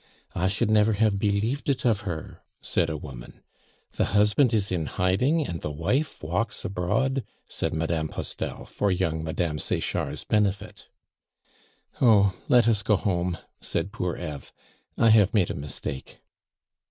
"I should never have believed it of her," said a woman. "The husband is in hiding, and the wife walks abroad," said Mme. Postel for young Mme. Sechard's benefit. "Oh, let us go home," said poor Eve; "I have made a mistake."